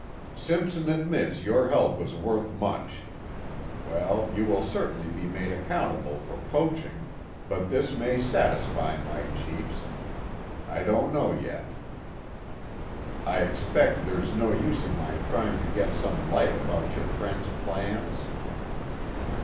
"Simpson admits your help was worth much. Well, you will certainly be made accountable for poaching, but this may satisfy my chiefs I don't know yet. I expect there's no use in my trying to get some light about your friends' plans?"